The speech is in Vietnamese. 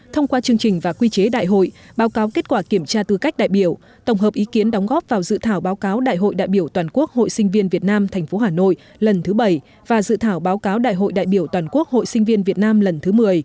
thông qua chương trình và quy chế đại hội báo cáo kết quả kiểm tra tư cách đại biểu tổng hợp ý kiến đóng góp vào dự thảo báo cáo đại hội đại biểu toàn quốc hội sinh viên việt nam tp hà nội lần thứ bảy và dự thảo báo cáo đại hội đại biểu toàn quốc hội sinh viên việt nam lần thứ một mươi